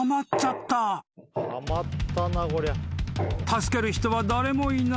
［助ける人は誰もいない］